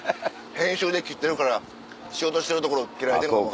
編集で切ってるから仕事してるところ切られてるかも。